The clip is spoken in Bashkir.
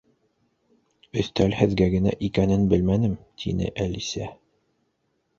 — Өҫтәл һеҙгә генә икәнен белмәнем, — тине Әлисә.